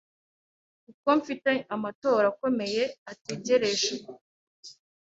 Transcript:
kuko mfite amatora akomeye ategereje